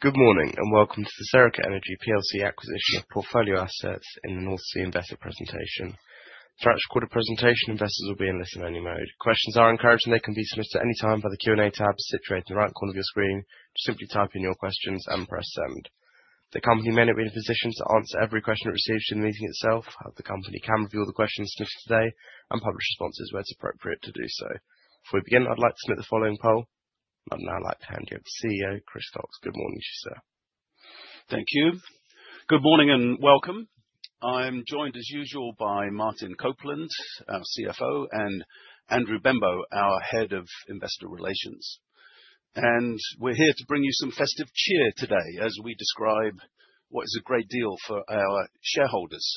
Good morning, and welcome to the Serica Energy plc acquisition of portfolio assets in the North Sea investor presentation. Throughout this presentation, investors will be in listen-only mode. Questions are encouraged and they can be submitted at any time by the Q&A tab situated in the right corner of your screen. Just simply type in your questions and press Send. The company may not be in a position to answer every question it receives during the meeting itself. The company can review all the questions listed today and publish responses where it's appropriate to do so. Before we begin, I'd like to submit the following poll. I'd now like to hand you over to CEO Chris Cox. Good morning to you, sir. Thank you. Good morning and welcome. I'm joined as usual by Martin Copeland, our CFO, and Andrew Benbow, our Head of Investor Relations. We're here to bring you some festive cheer today as we describe what is a great deal for our shareholders.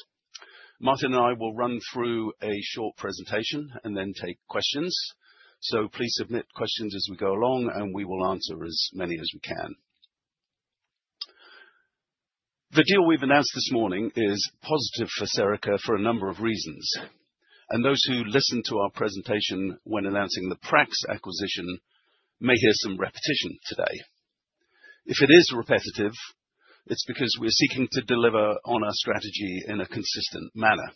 Martin and I will run through a short presentation and then take questions. Please submit questions as we go along, and we will answer as many as we can. The deal we've announced this morning is positive for Serica for a number of reasons, and those who listened to our presentation when announcing the Prax acquisition may hear some repetition today. If it is repetitive, it's because we're seeking to deliver on our strategy in a consistent manner.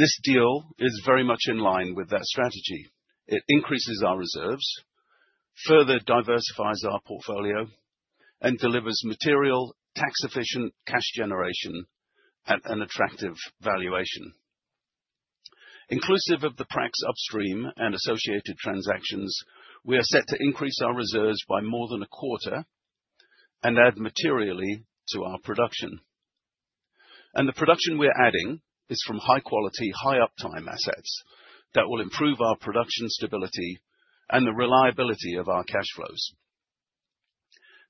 This deal is very much in line with that strategy. It increases our reserves, further diversifies our portfolio, and delivers material tax-efficient cash generation at an attractive valuation. Inclusive of the Prax Upstream and associated transactions, we are set to increase our reserves by more than a quarter and add materially to our production. The production we're adding is from high quality, high uptime assets that will improve our production stability and the reliability of our cash flows.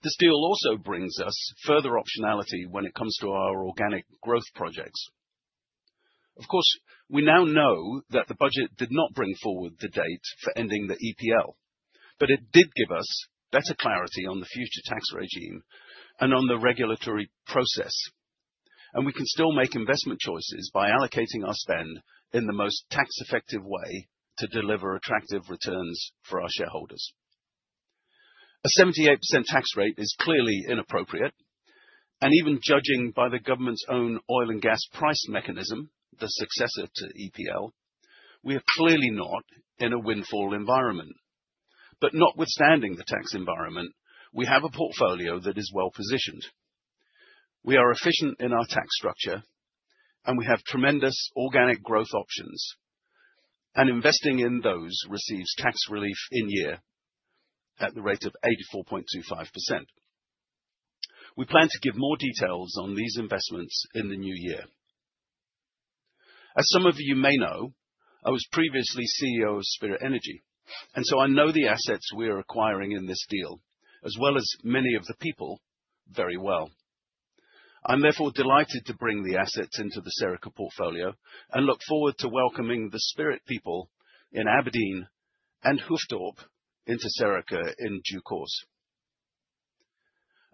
This deal also brings us further optionality when it comes to our organic growth projects. Of course, we now know that the budget did not bring forward the date for ending the EPL, but it did give us better clarity on the future tax regime and on the regulatory process. We can still make investment choices by allocating our spend in the most tax-effective way to deliver attractive returns for our shareholders. A 78% tax rate is clearly inappropriate, and even judging by the government's own oil and gas price mechanism, the successor to EPL, we are clearly not in a windfall environment. Notwithstanding the tax environment, we have a portfolio that is well-positioned. We are efficient in our tax structure, and we have tremendous organic growth options, and investing in those receives tax relief in year at the rate of 84.25%. We plan to give more details on these investments in the new year. As some of you may know, I was previously CEO of Spirit Energy, and so I know the assets we are acquiring in this deal, as well as many of the people very well. I'm therefore delighted to bring the assets into the Serica portfolio and look forward to welcoming the Spirit people in Aberdeen and Hoofddorp into Serica in due course.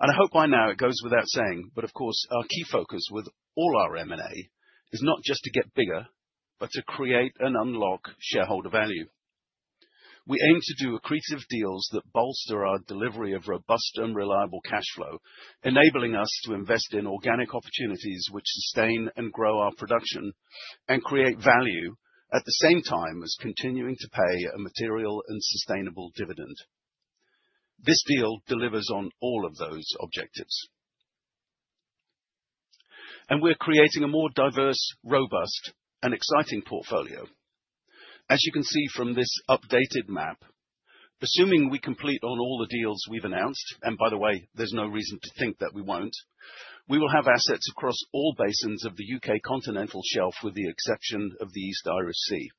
I hope by now it goes without saying, but of course, our key focus with all our M&A is not just to get bigger, but to create and unlock shareholder value. We aim to do accretive deals that bolster our delivery of robust and reliable cash flow, enabling us to invest in organic opportunities which sustain and grow our production and create value, at the same time as continuing to pay a material and sustainable dividend. This deal delivers on all of those objectives. We're creating a more diverse, robust and exciting portfolio. As you can see from this updated map, assuming we complete on all the deals we've announced, and by the way, there's no reason to think that we won't, we will have assets across all basins of the U.K. continental shelf, with the exception of the East Irish Sea.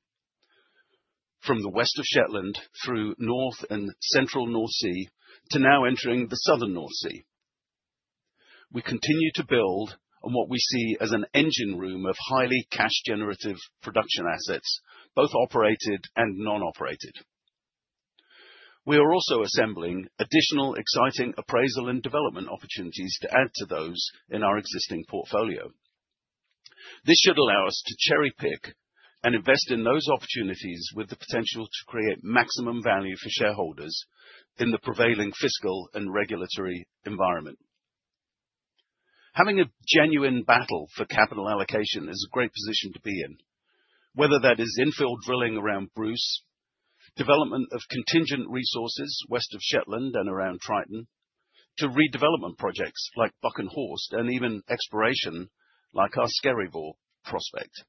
From the West of Shetland through Northern and Central North Sea, to now entering the Southern North Sea. We continue to build on what we see as an engine room of highly cash generative production assets, both operated and non-operated. We are also assembling additional exciting appraisal and development opportunities to add to those in our existing portfolio. This should allow us to cherry-pick and invest in those opportunities with the potential to create maximum value for shareholders in the prevailing fiscal and regulatory environment. Having a genuine battle for capital allocation is a great position to be in. Whether that is infill drilling around Bruce, development of contingent resources west of Shetland and around Triton, to redevelopment projects like Buchan Horst, and even exploration like our Skerryvore prospect.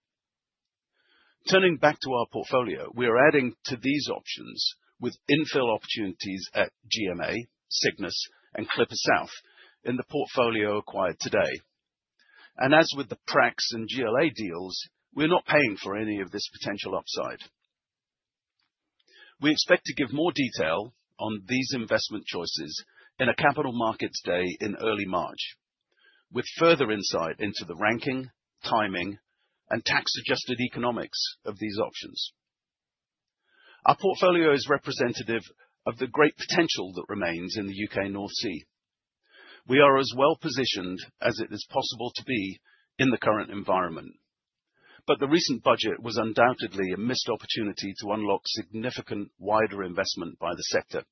Turning back to our portfolio, we are adding to these options with infill opportunities at GMA, Cygnus and Clipper South in the portfolio acquired today. As with the Prax and GLA deals, we're not paying for any of this potential upside. We expect to give more detail on these investment choices in a Capital Markets Day in early March, with further insight into the ranking, timing, and tax-adjusted economics of these options. Our portfolio is representative of the great potential that remains in the U.K. North Sea. We are as well-positioned as it is possible to be in the current environment. The recent budget was undoubtedly a missed opportunity to unlock significant wider investment by the sector.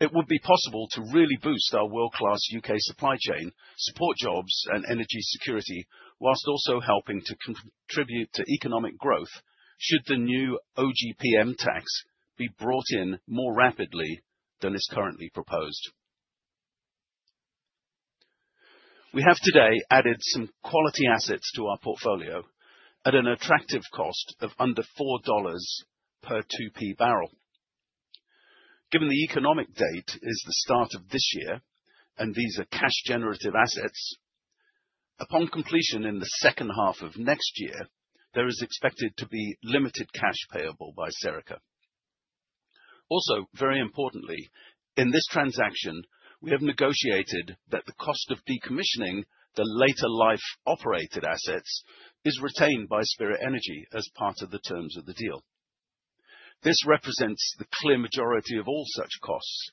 It would be possible to really boost our world-class U.K. supply chain, support jobs and energy security, while also helping to contribute to economic growth should the new OGPM tax be brought in more rapidly than is currently proposed. We have today added some quality assets to our portfolio at an attractive cost of under $4 per 2P barrel of reserves. Given the effective date is the start of this year, and these are cash-generative assets, upon completion in the second half of next year, there is expected to be limited cash payable by Serica. Also, very importantly, in this transaction, we have negotiated that the cost of decommissioning the later life operated assets is retained by Spirit Energy as part of the terms of the deal. This represents the clear majority of all such costs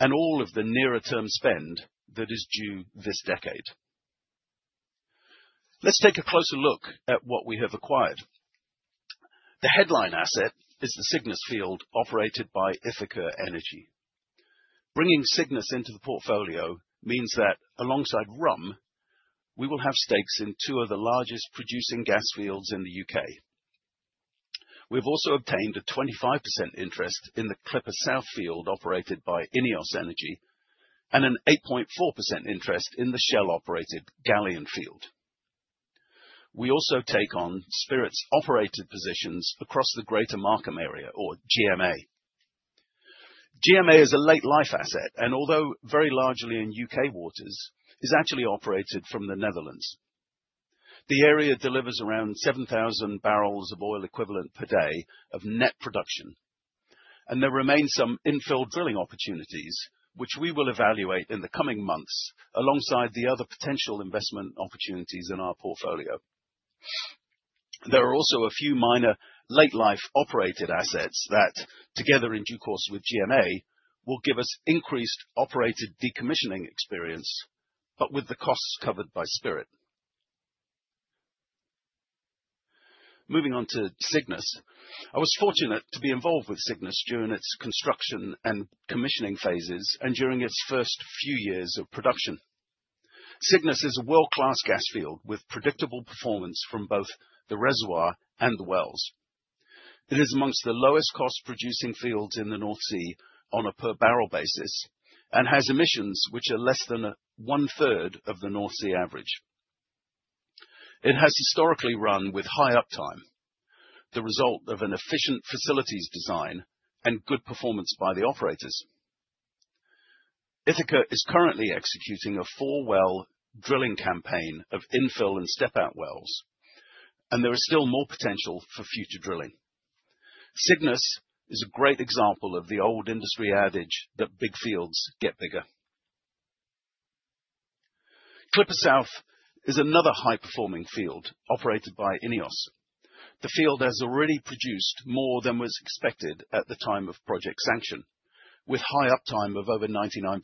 and all of the nearer term spend that is due this decade. Let's take a closer look at what we have acquired. The headline asset is the Cygnus field operated by Ithaca Energy. Bringing Cygnus into the portfolio means that alongside Rhum, we will have stakes in two of the largest producing gas fields in the U.K. We've also obtained a 25% interest in the Clipper South field operated by INEOS Energy and an 8.4% interest in the Shell-operated Galleon field. We also take on Spirit's operated positions across the Greater Markham Area, or GMA. GMA is a late life asset and although very largely in U.K. waters, is actually operated from the Netherlands. The area delivers around 7,000 barrels of oil equivalent per day of net production, and there remains some infill drilling opportunities which we will evaluate in the coming months alongside the other potential investment opportunities in our portfolio. There are also a few minor late-life operated assets that together in due course with GMA, will give us increased operated decommissioning experience, but with the costs covered by Spirit. Moving on to Cygnus. I was fortunate to be involved with Cygnus during its construction and commissioning phases and during its first few years of production. Cygnus is a world-class gas field with predictable performance from both the reservoir and the wells. It is among the lowest cost producing fields in the North Sea on a per barrel basis, and has emissions which are less than one-third of the North Sea average. It has historically run with high uptime, the result of an efficient facilities design and good performance by the operators. Ithaca is currently executing a four-well drilling campaign of infill and step-out wells, and there is still more potential for future drilling. Cygnus is a great example of the old industry adage that big fields get bigger. Clipper South is another high-performing field operated by INEOS. The field has already produced more than was expected at the time of project sanction with high uptime of over 99%.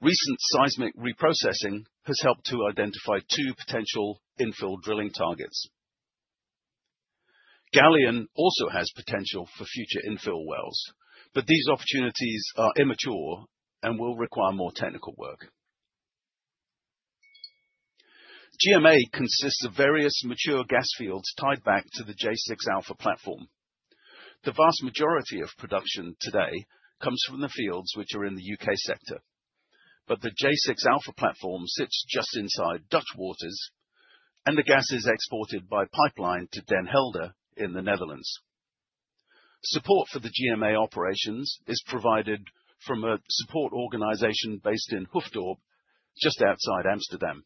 Recent seismic reprocessing has helped to identify two potential infill drilling targets. Galleon also has potential for future infill wells, but these opportunities are immature and will require more technical work. GMA consists of various mature gas fields tied back to the J6-A platform. The vast majority of production today comes from the fields which are in the U.K. sector. The J6-A platform sits just inside Dutch waters and the gas is exported by pipeline to Den Helder in the Netherlands. Support for the GMA operations is provided from a support organization based in Hoofddorp, just outside Amsterdam.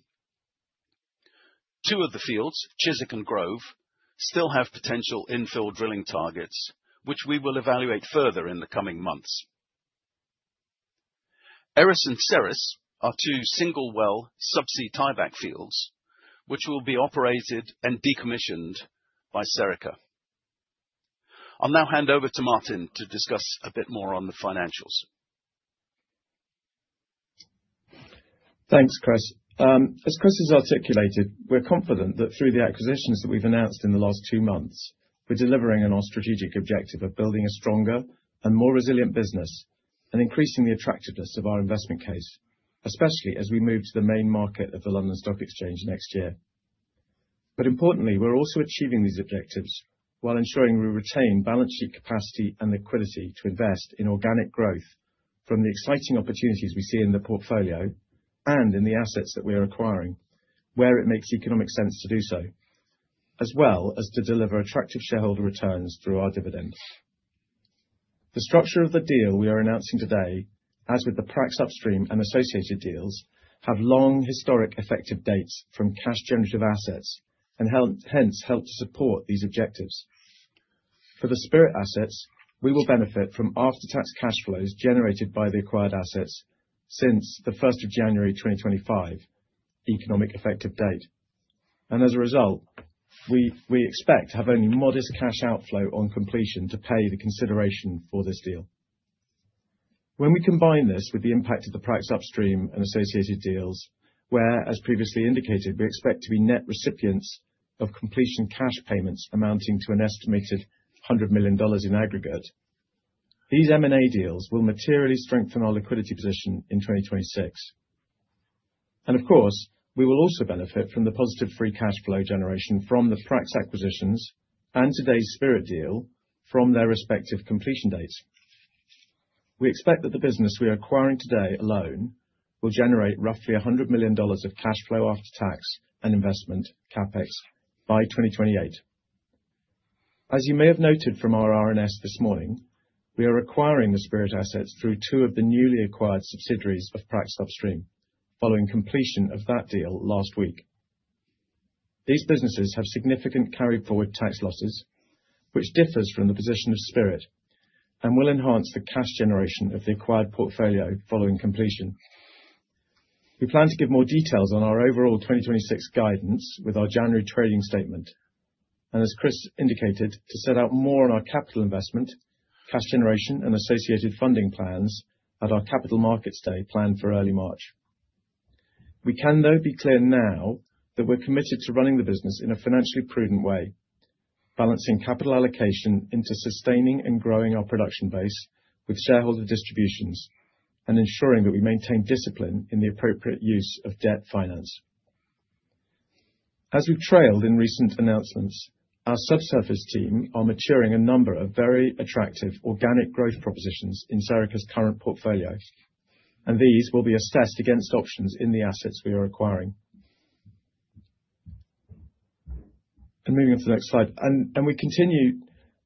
Two of the fields, Chiswick and Grove, still have potential infill drilling targets, which we will evaluate further in the coming months. Eris and Ceres are two single-well sub-sea tieback fields, which will be operated and decommissioned by Serica. I'll now hand over to Martin to discuss a bit more on the financials. Thanks, Chris. As Chris has articulated, we're confident that through the acquisitions that we've announced in the last two months, we're delivering on our strategic objective of building a stronger and more resilient business and increasing the attractiveness of our investment case, especially as we move to the main market of the London Stock Exchange next year. Importantly, we're also achieving these objectives while ensuring we retain balance sheet capacity and liquidity to invest in organic growth from the exciting opportunities we see in the portfolio and in the assets that we are acquiring, where it makes economic sense to do so, as well as to deliver attractive shareholder returns through our dividends. The structure of the deal we are announcing today, as with the Prax Upstream and associated deals, have long historic effective dates from cash-generative assets and hence, help to support these objectives. For the Spirit assets, we will benefit from after-tax cash flows generated by the acquired assets since January 1, 2025, economic effective date. As a result, we expect to have only modest cash outflow on completion to pay the consideration for this deal. When we combine this with the impact of the Prax Upstream and associated deals, where, as previously indicated, we expect to be net recipients of completion cash payments amounting to an estimated $100 million in aggregate. These M&A deals will materially strengthen our liquidity position in 2026. Of course, we will also benefit from the positive free cash flow generation from the Prax acquisitions and today's Spirit deal from their respective completion dates. We expect that the business we are acquiring today alone will generate roughly $100 million of cash flow after tax and investment CapEx by 2028. As you may have noted from our RNS this morning, we are acquiring the Spirit assets through two of the newly acquired subsidiaries of Prax Upstream following completion of that deal last week. These businesses have significant carry forward tax losses, which differs from the position of Spirit and will enhance the cash generation of the acquired portfolio following completion. We plan to give more details on our overall 2026 guidance with our January trading statement, and as Chris indicated, to set out more on our capital investment, cash generation and associated funding plans at our Capital Markets Day planned for early March. We can though be clear now that we're committed to running the business in a financially prudent way, balancing capital allocation into sustaining and growing our production base with shareholder distributions, and ensuring that we maintain discipline in the appropriate use of debt finance. As we've teased in recent announcements, our subsurface team are maturing a number of very attractive organic growth propositions in Serica's current portfolio, and these will be assessed against options in the assets we are acquiring. Moving on to the next slide. We continue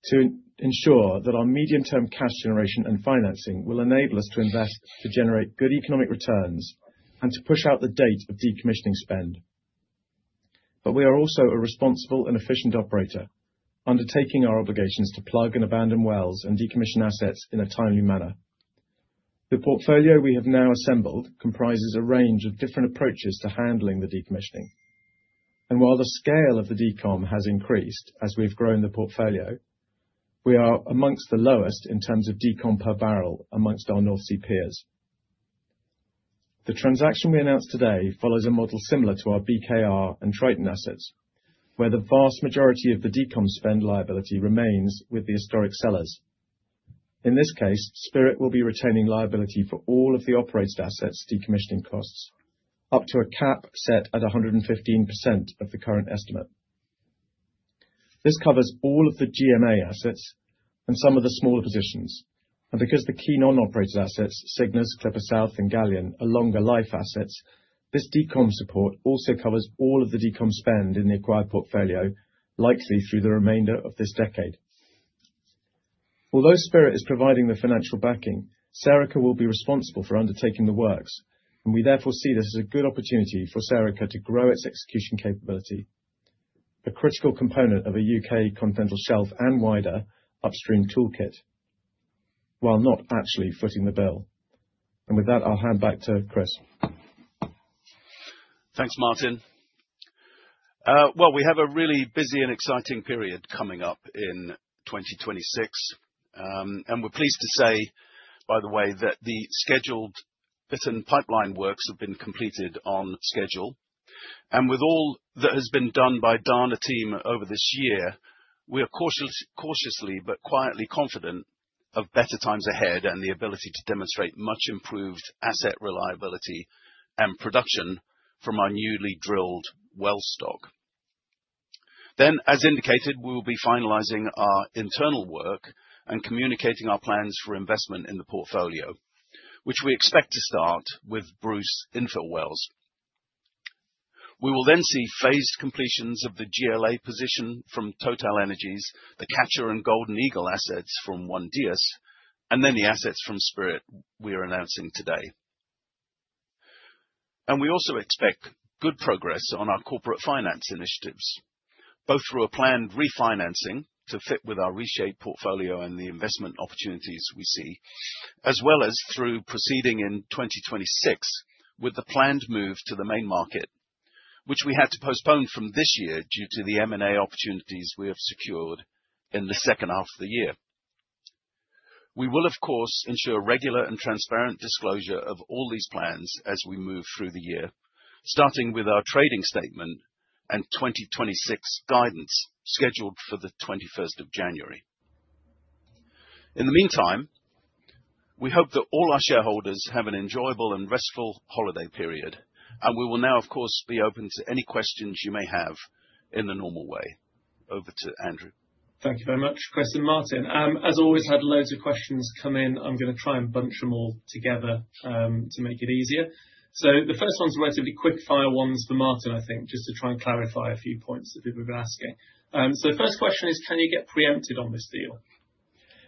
to ensure that our medium-term cash generation and financing will enable us to invest, to generate good economic returns and to push out the date of decommissioning spend. We are also a responsible and efficient operator, undertaking our obligations to plug and abandon wells and decommission assets in a timely manner. The portfolio we have now assembled comprises a range of different approaches to handling the decommissioning. While the scale of the decom has increased as we've grown the portfolio, we are among the lowest in terms of decom per barrel among our North Sea peers. The transaction we announced today follows a model similar to our BKR and Triton assets, where the vast majority of the decom spend liability remains with the historic sellers. In this case, Spirit will be retaining liability for all of the operator assets decommissioning costs, up to a cap set at 115% of the current estimate. This covers all of the GMA assets and some of the smaller positions, and because the key non-operated assets, Cygnus, Clipper South and Galleon, are longer life assets, this decom support also covers all of the decom spend in the acquired portfolio, likely through the remainder of this decade. Although Spirit Energy is providing the financial backing, Serica will be responsible for undertaking the works, and we therefore see this as a good opportunity for Serica to grow its execution capability, a critical component of a U.K. Continental Shelf and wider upstream toolkit, while not actually footing the bill. With that, I'll hand back to Chris. Thanks, Martin. Well, we have a really busy and exciting period coming up in 2026. We're pleased to say, by the way, that the scheduled Bittern pipeline works have been completed on schedule. With all that has been done by Dana Petroleum team over this year, we are cautiously but quietly confident of better times ahead and the ability to demonstrate much improved asset reliability and production from our newly drilled well stock. As indicated, we will be finalizing our internal work and communicating our plans for investment in the portfolio, which we expect to start with Bruce infill wells. We will then see phased completions of the GLA position from TotalEnergies, the Catcher and Golden Eagle assets from ONE-Dyas, and then the assets from Spirit Energy we are announcing today. We also expect good progress on our corporate finance initiatives, both through a planned refinancing to fit with our reshaped portfolio and the investment opportunities we see, as well as through proceeding in 2026 with the planned move to the main market, which we had to postpone from this year due to the M&A opportunities we have secured in the second half of the year. We will, of course, ensure regular and transparent disclosure of all these plans as we move through the year, starting with our trading statement and 2026 guidance scheduled for the 21st of January. In the meantime, we hope that all our shareholders have an enjoyable and restful holiday period, and we will now, of course, be open to any questions you may have in the normal way. Over to Andrew. Thank you very much, Chris and Martin. As always, we had loads of questions come in. I'm going to try and bunch them all together, to make it easier. The first one is relatively quick fire ones for Martin, I think, just to try and clarify a few points that people have been asking. The first question is, can you get preempted on this deal?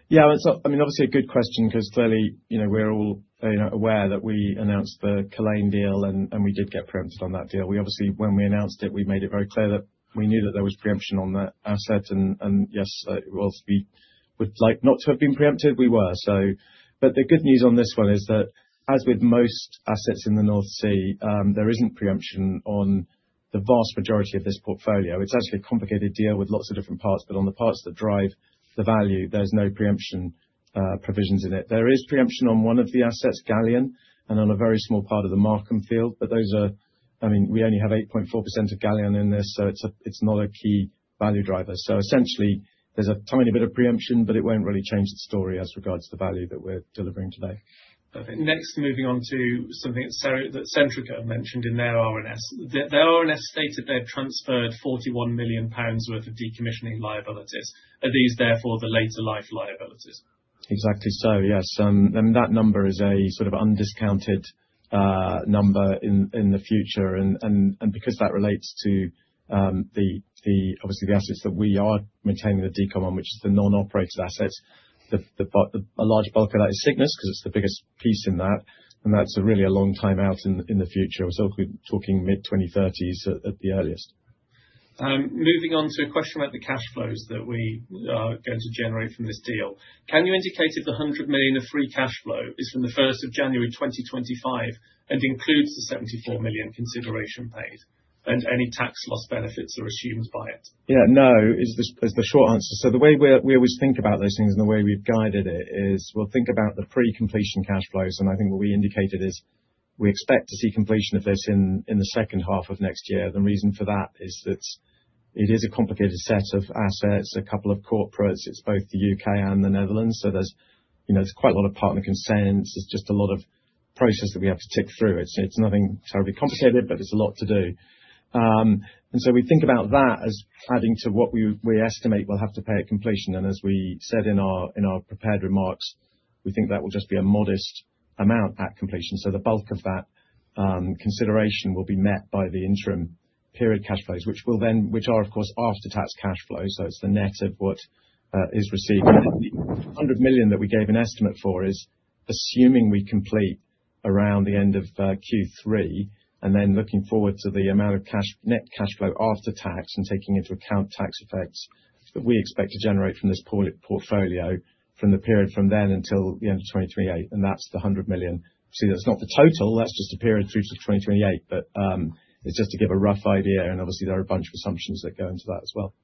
Yeah. It's, I mean, obviously a good question because clearly, you know, we're all, you know, aware that we announced the Culzean deal and we did get preempted on that deal. We obviously, when we announced it, we made it very clear that we knew that there was preemption on that asset. Yes, while we would like not to have been preempted, we were. But the good news on this one is that as with most assets in the North Sea, there isn't preemption on the vast majority of this portfolio. It's actually a complicated deal with lots of different parts, but on the parts that drive the value, there's no preemption provisions in it. There is preemption on one of the assets, Galleon, and on a very small part of the Markham field. Those are, I mean, we only have 8.4% of Galleon in this, so it's not a key value driver. Essentially, there's a tiny bit of preemption, but it won't really change the story as regards to the value that we're delivering today. Okay. Next, moving on to something that Centrica mentioned in their RNS. Their RNS stated they had transferred 41 million pounds worth of decommissioning liabilities. Are these therefore the later life liabilities? Exactly. Yes. That number is a sort of undiscounted number in the future. Because that relates to obviously the assets that we are maintaining the decom on, which is the non-operated assets. A large bulk of that is Cygnus because it's the biggest piece in that, and that's really a long time out in the future. We're sort of talking mid-2030s at the earliest. Moving on to a question about the cash flows that we are going to generate from this deal. Can you indicate if the 100 million of free cash flow is from January 1, 2025 and includes the 74 million consideration paid and any tax loss benefits or assumes by it? Yeah. No, is the short answer. The way we always think about those things and the way we've guided it is we'll think about the pre-completion cash flows. I think what we indicated is we expect to see completion of this in the second half of next year. The reason for that is that it is a complicated set of assets, a couple of corporates. It's both the U.K. and the Netherlands. So there's, you know, there's quite a lot of partner consents. There's just a lot of process that we have to tick through. It's nothing terribly complicated, but it's a lot to do. We think about that as adding to what we estimate we'll have to pay at completion. As we said in our prepared remarks, we think that will just be a modest amount at completion. The bulk of that consideration will be met by the interim period cash flows, which are of course after-tax cash flows. It's the net of what is received. The 100 million that we gave an estimate for is assuming we complete around the end of Q3, and then looking forward to the amount of cash, net cash flow after tax and taking into account tax effects that we expect to generate from this portfolio from the period from then until the end of 2028, and that's the 100 million. See, that's not the total, that's just the period through to 2028. It's just to give a rough idea, and obviously there are a bunch of assumptions that go into that as well.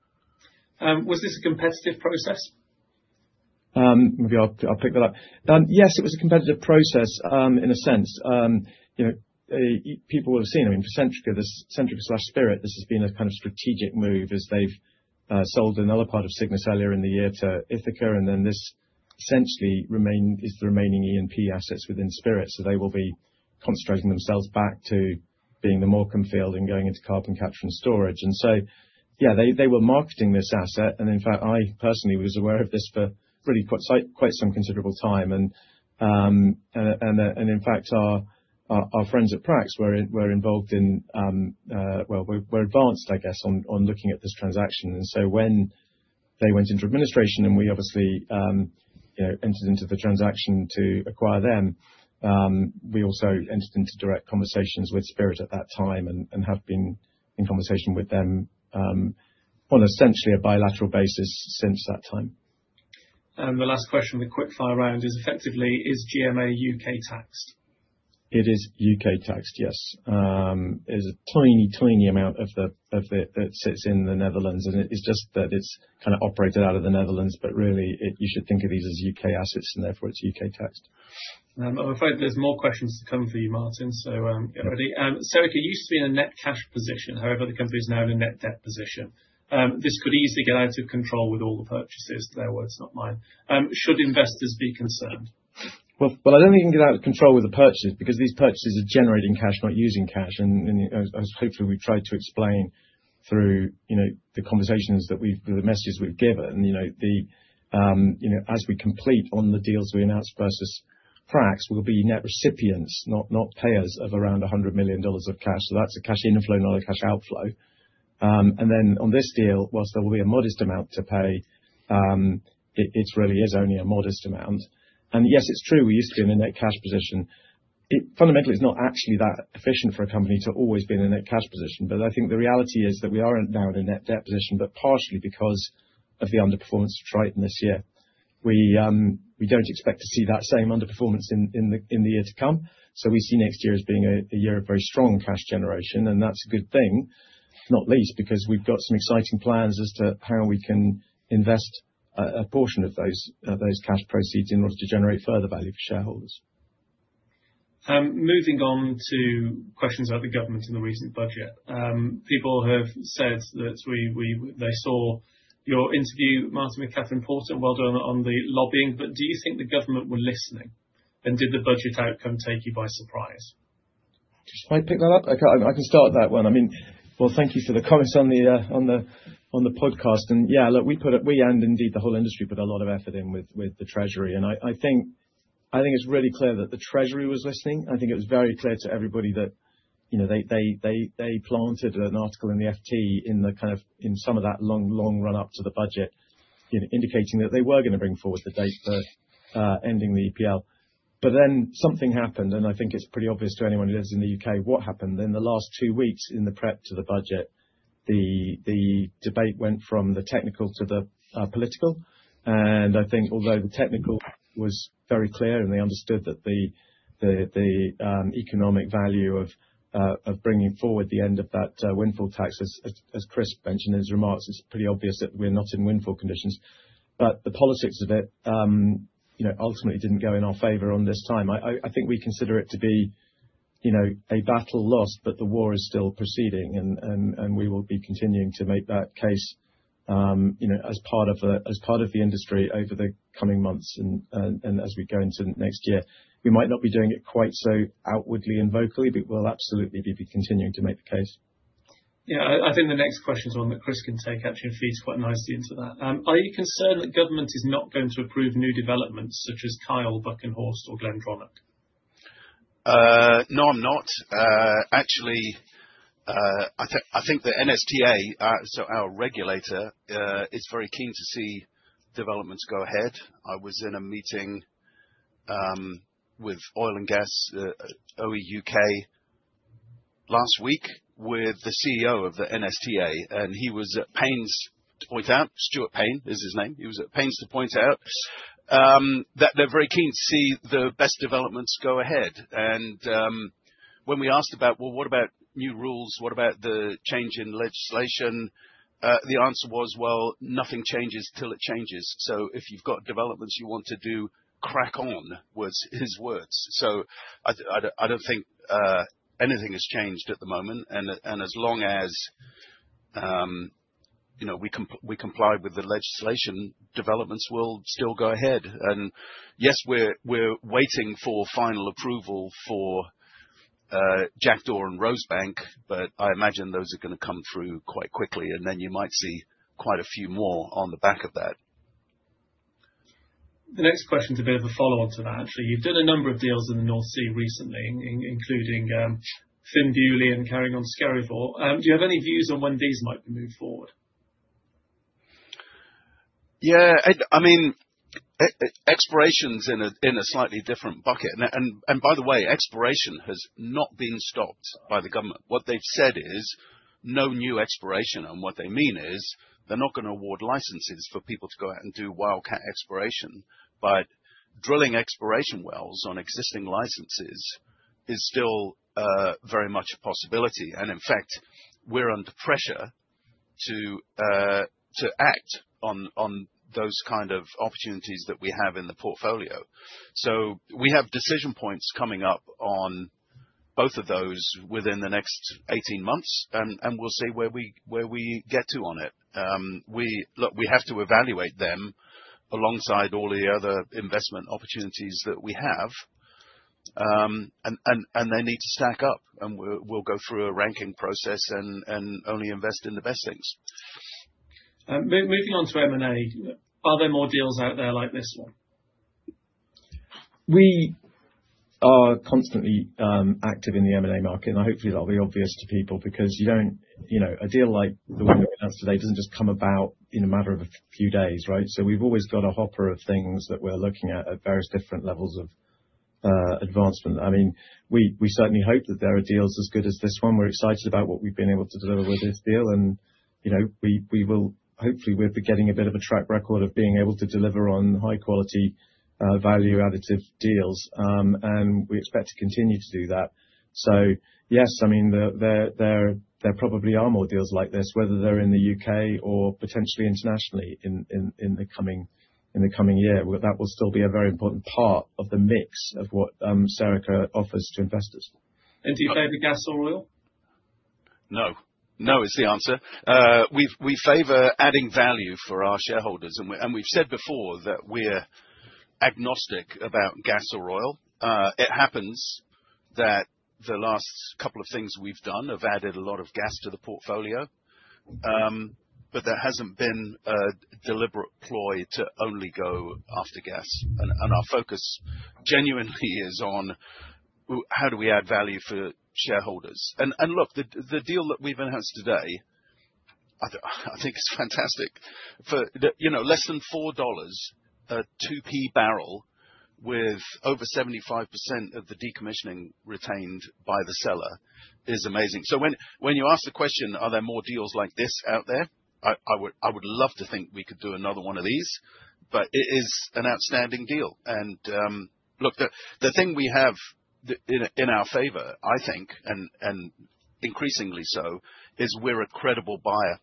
Was this a competitive process? Maybe I'll pick that up. Yes, it was a competitive process in a sense. You know, people have seen, I mean, for Centrica, this Centrica/Spirit, this has been a kind of strategic move as they've sold another part of Cygnus earlier in the year to Ithaca, and then this essentially is the remaining E&P assets within Spirit. They will be concentrating themselves back to being the Morecambe field and going into carbon capture and storage. Yeah, they were marketing this asset, and in fact, I personally was aware of this for really quite some considerable time. In fact, our friends at Prax were involved, well, were advanced, I guess, on looking at this transaction. When they went into administration and we obviously, you know, entered into the transaction to acquire them, we also entered into direct conversations with Spirit at that time and have been in conversation with them on essentially a bilateral basis since that time. The last question, the quick-fire round is effectively GMA UK taxed? It is U.K. taxed, yes. There's a tiny amount of it that sits in the Netherlands, and it is just that it's kind of operated out of the Netherlands, but really it, you should think of these as U.K. assets, and therefore it's U.K. taxed. I'm afraid there's more questions to come for you, Martin. Get ready. Centrica used to be in a net cash position, however, the company is now in a net debt position. This could easily get out of control with all the purchases. Their words, not mine. Should investors be concerned? I don't think it can get out of control with the purchases because these purchases are generating cash, not using cash. Hopefully we've tried to explain through, you know, the messages we've given. You know, as we complete on the deals we announced versus Prax, we'll be net recipients, not payers of around $100 million of cash. That's a cash inflow, not a cash outflow. On this deal, while there will be a modest amount to pay, it really is only a modest amount. Yes, it's true, we used to be in a net cash position. It fundamentally is not actually that efficient for a company to always be in a net cash position. I think the reality is that we are now in a net debt position, partially because of the underperformance of Triton this year. We don't expect to see that same underperformance in the year to come. We see next year as being a year of very strong cash generation. That's a good thing, not least because we've got some exciting plans as to how we can invest a portion of those cash proceeds in order to generate further value for shareholders. Moving on to questions about the government in the recent budget. People have said that they saw your interview, Martin, with Kathryn Porter. Well done on the lobbying. Do you think the government were listening, and did the budget outcome take you by surprise? Should I pick that up? I can start that one. I mean, well, thank you for the comments on the podcast. Yeah, look, we and indeed the whole industry put a lot of effort in with the treasury. I think it's really clear that the Treasury was listening. I think it was very clear to everybody that, you know, they planted an article in the FT in some of that long run up to the budget indicating that they were going to bring forward the date for ending the EPL. Then something happened, and I think it's pretty obvious to anyone who lives in the U.K. what happened. In the last two weeks in the prep to the budget, the debate went from the technical to the political. I think although the technical was very clear, and they understood that the economic value of bringing forward the end of that windfall tax, as Chris mentioned in his remarks. It's pretty obvious that we're not in windfall conditions. The politics of it, you know, ultimately didn't go in our favor on this time. I think we consider it to be, you know, a battle lost, but the war is still proceeding. We will be continuing to make that case, you know, as part of the industry over the coming months and as we go into next year. We might not be doing it quite so outwardly and vocally, but we'll absolutely be continuing to make the case. Yeah. I think the next question is one that Chris can take. Actually feeds quite nicely into that. Are you concerned that government is not going to approve new developments such as Kyle, Buchan Horst or Glendronach? No, I'm not. Actually, I think the NSTA, so our regulator, is very keen to see developments go ahead. I was in a meeting with OEUK last week with the CEO of the NSTA, and he was at pains to point out, Stuart Payne is his name. He was at pains to point out that they're very keen to see the best developments go ahead. When we asked about, "Well, what about new rules? What about the change in legislation?" the answer was, well, nothing changes till it changes. So if you've got developments you want to do, crack on, was his words. I don't think anything has changed at the moment. As long as you know we comply with the legislation, developments will still go ahead. Yes, we're waiting for final approval for Jackdaw and Rosebank, but I imagine those are going to come through quite quickly. Then you might see quite a few more on the back of that. The next question is a bit of a follow-on to that, actually. You've done a number of deals in the North Sea recently, including Fynn Beauly and carrying on Skerryvore. Do you have any views on when these might be moved forward? I mean, exploration's in a slightly different bucket. By the way, exploration has not been stopped by the government. What they've said is, "No new exploration." What they mean is they're not going to award licenses for people to go out and do wildcat exploration. Drilling exploration wells on existing licenses is still very much a possibility. In fact, we're under pressure to act on those kind of opportunities that we have in the portfolio. We have decision points coming up on both of those within the next 18 months. We'll see where we get to on it. Look, we have to evaluate them alongside all the other investment opportunities that we have. They need to stack up, and we'll go through a ranking process and only invest in the best things. Moving on to M&A. Are there more deals out there like this one? We are constantly active in the M&A market. Hopefully that'll be obvious to people because you don't, you know, a deal like the one that we announced today doesn't just come about in a matter of a few days, right? We've always got a hopper of things that we're looking at various different levels of advancement. I mean, we certainly hope that there are deals as good as this one. We're excited about what we've been able to deliver with this deal. You know, hopefully we'll be getting a bit of a track record of being able to deliver on high quality, value additive deals. We expect to continue to do that. Yes, I mean, there probably are more deals like this, whether they're in the U.K. or potentially internationally in the coming year. That will still be a very important part of the mix of what Serica offers to investors. Do you favor gas or oil? No. No is the answer. We favor adding value for our shareholders. We've said before that we're agnostic about gas or oil. It happens that the last couple of things we've done have added a lot of gas to the portfolio. But there hasn't been a deliberate ploy to only go after gas. Our focus genuinely is on how do we add value for shareholders? Look, the deal that we've enhanced today, I think it's fantastic for the, you know, less than $4, 2P barrel with over 75% of the decommissioning retained by the seller is amazing. When you ask the question, are there more deals like this out there? I would love to think we could do another one of these, but it is an outstanding deal. Look, the thing we have in our favor, I think, and increasingly so, is we're a credible buyer.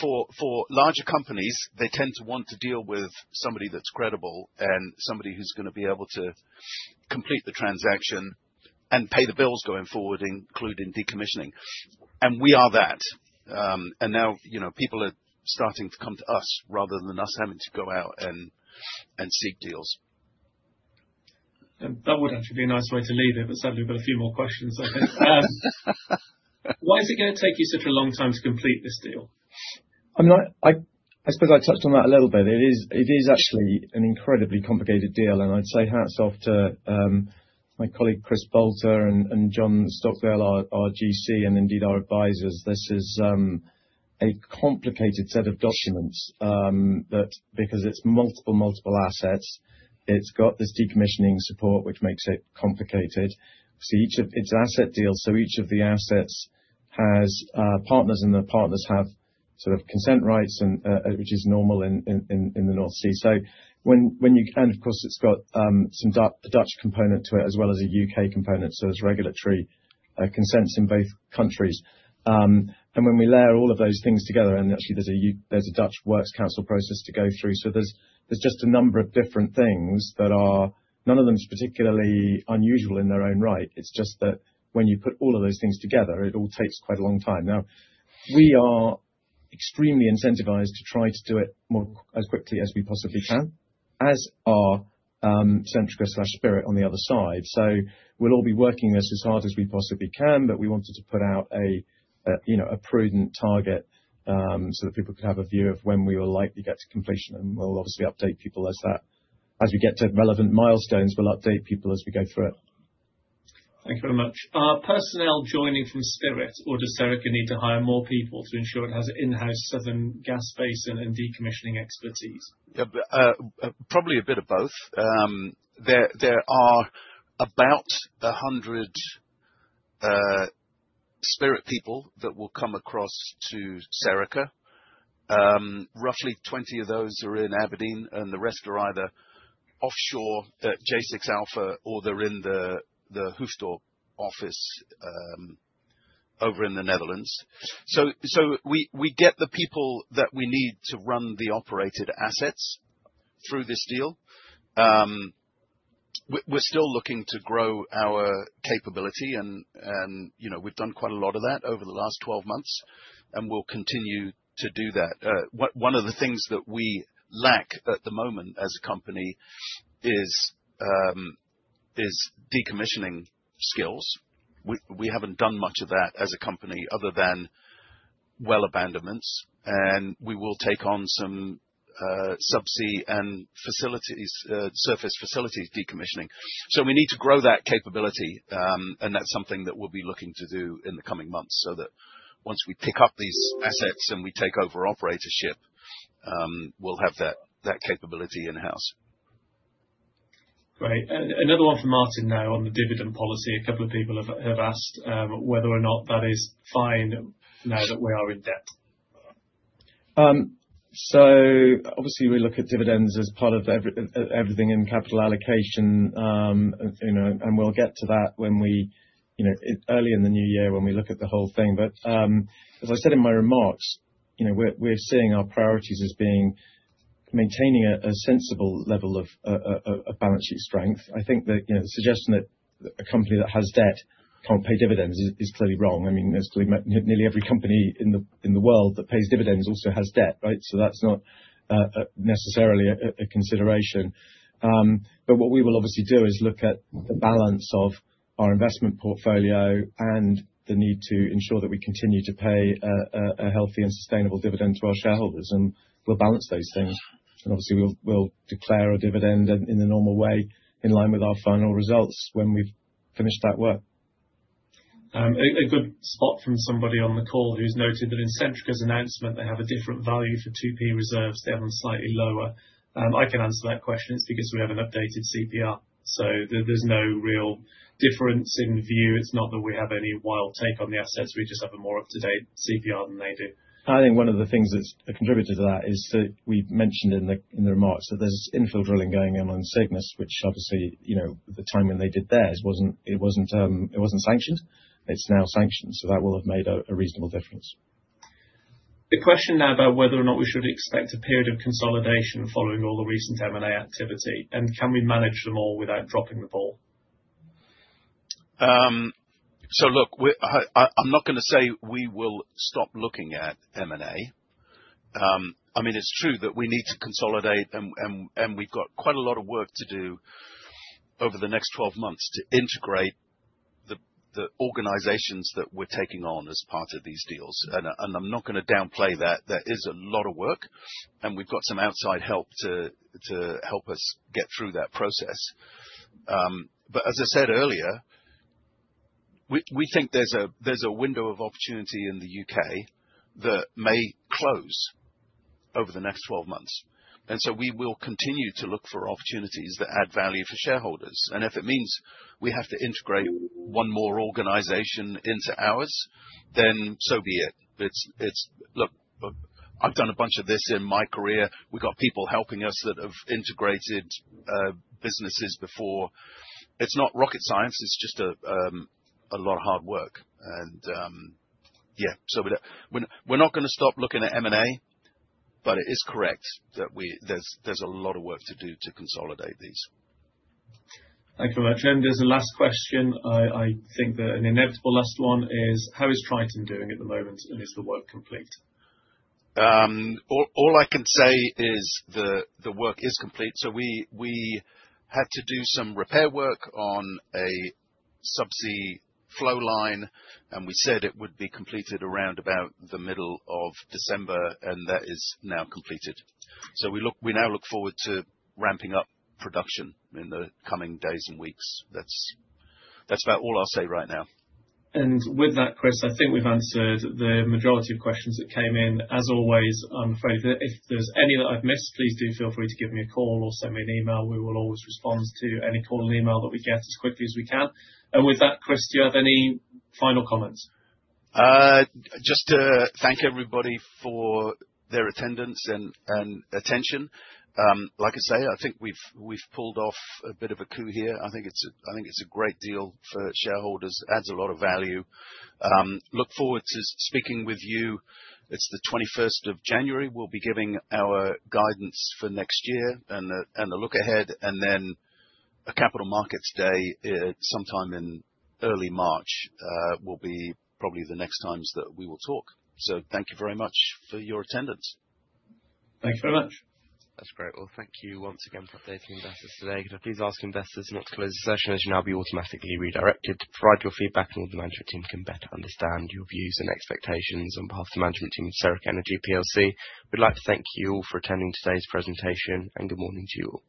For larger companies, they tend to want to deal with somebody that's credible and somebody who's going to be able to complete the transaction and pay the bills going forward, including decommissioning. We are that. Now, you know, people are starting to come to us rather than us having to go out and seek deals. That would actually be a nice way to leave it, but sadly we've got a few more questions, I think. Why is it going to take you such a long time to complete this deal? I suppose I touched on that a little bit. It is actually an incredibly complicated deal, and I'd say hats off to my colleague Chris Boulter and John Stockdale, our GC, and indeed our advisors. This is a complicated set of documents that because it's multiple assets, it's got this decommissioning support, which makes it complicated. Each of its asset deals, each of the assets has partners, and the partners have sort of consent rights and which is normal in the North Sea. Of course, it's got some Dutch component to it as well as a U.K. component, so there's regulatory consents in both countries. When we layer all of those things together, actually there's a Dutch Works Council process to go through. So there's just a number of different things that are, none of them is particularly unusual in their own right. It's just that when you put all of those things together, it all takes quite a long time. Now, we are extremely incentivized to try to do it more as quickly as we possibly can, as are Centrica/Spirit on the other side. So we'll all be working this as hard as we possibly can. But we wanted to put out a, you know, a prudent target, so that people could have a view of when we will likely get to completion. We'll obviously update people as that. As we get to relevant milestones, we'll update people as we go through it. Thank you very much. Are personnel joining from Spirit, or does Serica need to hire more people to ensure it has in-house Southern Gas Basin and decommissioning expertise? Yeah. Probably a bit of both. There are about 100 Spirit people that will come across to Serica. Roughly 20 of those are in Aberdeen, and the rest are either offshore at J6-A or they're in the Hoofddorp office over in the Netherlands. We get the people that we need to run the operated assets through this deal. We're still looking to grow our capability and, you know, we've done quite a lot of that over the last 12 months, and we'll continue to do that. One of the things that we lack at the moment as a company is decommissioning skills. We haven't done much of that as a company other than well abandonments. We will take on some subsea and facilities surface facilities decommissioning. We need to grow that capability, and that's something that we'll be looking to do in the coming months, so that once we pick up these assets and we take over operatorship, we'll have that capability in-house. Great. Another one for Martin now on the dividend policy. A couple of people have asked whether or not that is fine now that we are in debt. Obviously we look at dividends as part of everything in capital allocation. You know, we'll get to that when we, you know, early in the new year when we look at the whole thing. As I said in my remarks, you know, we're seeing our priorities as being maintaining a sensible level of balance sheet strength. I think that, you know, suggesting that a company that has debt can't pay dividends is clearly wrong. I mean, as we know, nearly every company in the world that pays dividends also has debt, right? That's not necessarily a consideration. What we will obviously do is look at the balance of our investment portfolio and the need to ensure that we continue to pay a healthy and sustainable dividend to our shareholders, and we'll balance those things. Obviously, we'll declare a dividend in the normal way, in line with our final results when we've finished that work. A good spot from somebody on the call who's noted that in Centrica's announcement, they have a different value for 2P reserves. They have them slightly lower. I can answer that question. It's because we have an updated CPR. There's no real difference in view. It's not that we have any wild take on the assets. We just have a more up-to-date CPR than they do. I think one of the things that's contributed to that is that we mentioned in the remarks that there's infill drilling going on on Cygnus, which obviously, you know, the timing they did theirs wasn't. It wasn't sanctioned. It's now sanctioned, so that will have made a reasonable difference. A question now about whether or not we should expect a period of consolidation following all the recent M&A activity, and can we manage them all without dropping the ball? Look, I'm not going to say we will stop looking at M&A. I mean, it's true that we need to consolidate and we've got quite a lot of work to do over the next 12 months to integrate the organizations that we're taking on as part of these deals. I'm not going to downplay that. That is a lot of work, and we've got some outside help to help us get through that process. As I said earlier, we think there's a window of opportunity in the U.K. that may close over the next 12 months. We will continue to look for opportunities that add value for shareholders. If it means we have to integrate one more organization into ours, then so be it. Look, I've done a bunch of this in my career. We've got people helping us that have integrated businesses before. It's not rocket science. It's just a lot of hard work. Yeah. We're not going to stop looking at M&A, but it is correct that there's a lot of work to do to consolidate these. Thank you very much. There's a last question. I think that an inevitable last one is how is Triton doing at the moment, and is the work complete? All I can say is the work is complete. We had to do some repair work on a subsea flow line, and we said it would be completed around about the middle of December, and that is now completed. We now look forward to ramping up production in the coming days and weeks. That's about all I'll say right now. With that, Chris, I think we've answered the majority of questions that came in. As always, I'm afraid that if there's any that I've missed, please do feel free to give me a call or send me an email. We will always respond to any call and email that we get as quickly as we can. With that, Chris, do you have any final comments? Just to thank everybody for their attendance and attention. Like I say, I think we've pulled off a bit of a coup here. I think it's a great deal for shareholders. Adds a lot of value. Look forward to speaking with you. It's the twenty-first of January. We'll be giving our guidance for next year and a look ahead, and then a capital markets day sometime in early March will be probably the next times that we will talk. Thank you very much for your attendance. Thank you very much. That's great. Well, thank you once again for updating investors today. Could I please ask investors in next closed session, as you'll now be automatically redirected to provide your feedback so the management team can better understand your views and expectations. On behalf of the management team of Serica Energy plc, we'd like to thank you all for attending today's presentation, and good morning to you all.